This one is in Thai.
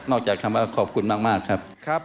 จากคำว่าขอบคุณมากครับ